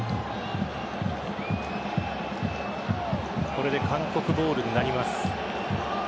これで韓国ボールになります。